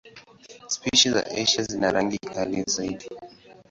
Spishi za Asia zina rangi kali zaidi.